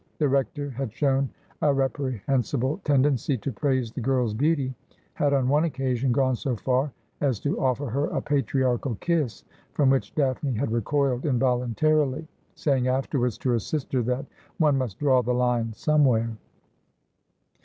The Rector had shown a reprehen sible tendency to praise the girl's beauty, had on one occasion gone so far as to offer her a patriarchal kiss, from which Daphne had recoiled involuntarily, saying afterwards to her sister that ' one must draw the line somewhere.'